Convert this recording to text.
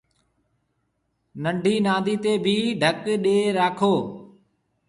ننڊِي نادِي تيَ ڀِي ڍڪ ڏَي راکو